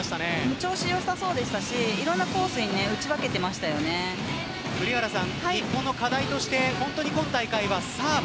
調子良さそうでしたしいろんなコースに栗原さん日本の課題として今大会はサーブ。